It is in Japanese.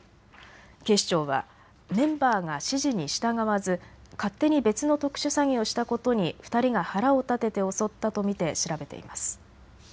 警視庁はメンバーが指示に従わず勝手に別の特殊詐欺をしたことに２人が腹を立てて襲ったと見て調べています。